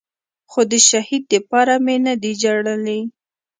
خو د شهيد دپاره مې نه دي جړلي.